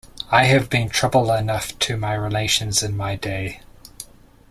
I have been trouble enough to my relations in my day.